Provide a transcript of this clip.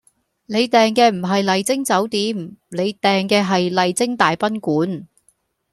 你訂嘅唔係麗晶酒店，你訂嘅係麗晶大賓館